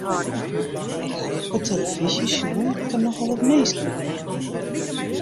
Ik haw op 'e telefyzje sjoen dat der nochal wat minsken wiene.